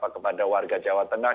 kepada warga jawa tengah